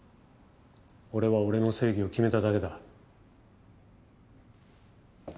俺は俺の正義を決めただけだ。